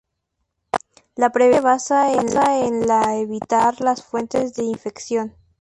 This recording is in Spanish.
La prevención se basa en la evitar las fuentes de infección.